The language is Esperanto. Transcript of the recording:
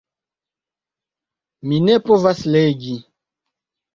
Mi ne povas legi.